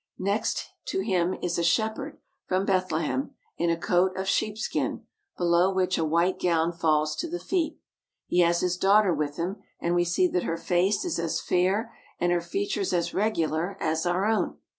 Next him is a shepherd from Bethle hem in a coat of sheep skin, below which a white gown falls to the feet. He has his daughter with him, and we see that her face is as fair and her features as regular as our own.